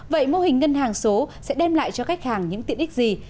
vậy mô hình ngân hàng số sẽ đem lại cho khách hàng những tiện ích gì